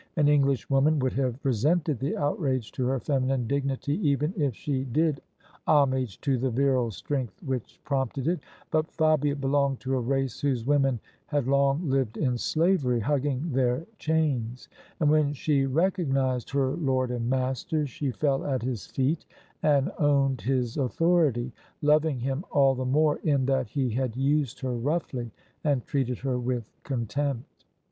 An English woman would have resented the outrage to her feminine dignity, even if she did homage to the virile strength which prompted it: but Fabia belonged to a race whose women had long lived in slavery, hugging their chains: and when she recognised, her lord and master she fell at his feet and owned his authority, loving him all the more in that he had used her roughly and treated her with contempt.